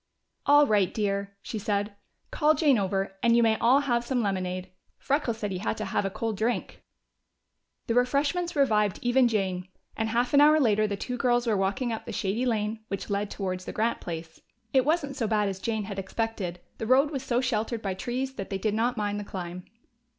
"All right, dear," she said. "Call Jane over, and you may all have some lemonade. Freckles said he had to have a cold drink." The refreshments revived even Jane, and half an hour later the two girls were walking up the shady lane which led towards the Grant place. It wasn't so bad as Jane had expected; the road was so sheltered by trees that they did not mind the climb.